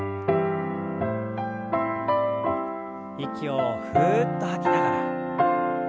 息をふっと吐きながら。